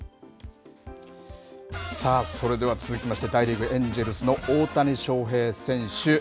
さあ、それでは続きまして、大リーグ・エンジェルスの大谷翔平選手。